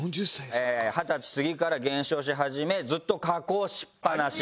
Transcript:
二十歳過ぎから減少し始めずっと下降しっぱなし。